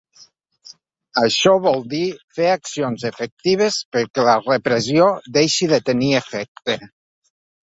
Això vol dir fer accions efectives perquè la repressió deixi de tenir efecte.